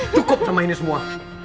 cukup sama ini semua